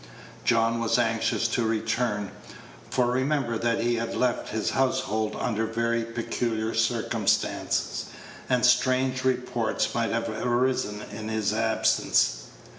John was anxious to return; for remember that he had left his household under very peculiar circumstances, and strange reports might have arisen in his absence.